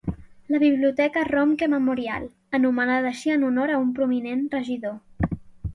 La Biblioteca Romke Memorial, anomenada així en honor a un prominent regidor.